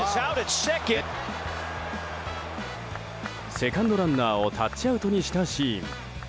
セカンドランナーをタッチアウトにしたシーン。